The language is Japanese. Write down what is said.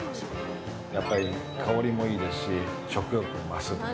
やっぱり香りもいいですし食欲も増すので。